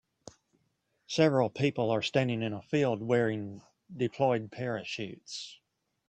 Several people are standing in a field wearing deployed parachutes.